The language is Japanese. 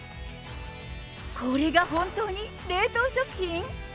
これが本当に冷凍食品？